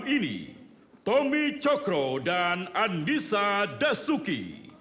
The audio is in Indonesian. indonesia raya merdeka merdeka